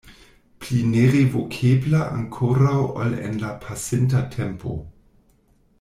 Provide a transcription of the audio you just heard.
Pli nerevokebla ankoraŭ ol en la pasinta tempo.